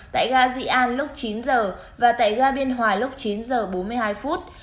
tại gà dị an lúc chín giờ và tại gà biên hòa lúc chín giờ bốn mươi hai phút